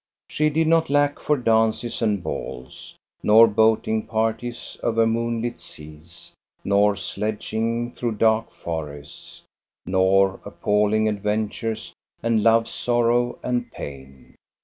She did not lack for dances and balls, nor boating parties over moonlit seas, nor sledging through dark forests, nor appalling adventures and love's sorrow and pain.